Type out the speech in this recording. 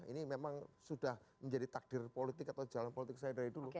ini memang sudah menjadi takdir politik atau jalan politik saya dari dulu